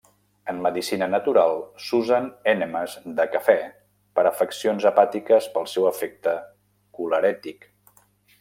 En medicina natural s'usen ènemes de cafè per afeccions hepàtiques pel seu efecte colerètic.